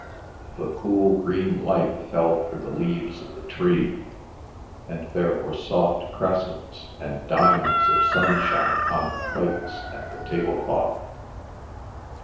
The cool green light fell through the leaves of the tree, and there were soft crescents and diamonds of sunshine upon the plates and the tablecloth.